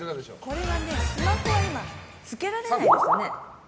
これはね、スマホは今つけられないですよね。